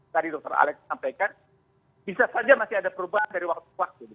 tadi dokter alex sampaikan bisa saja masih ada perubahan dari waktu ke waktu